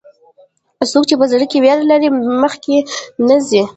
څوک چې په زړه کې ویره لري، مخکې نه ځي.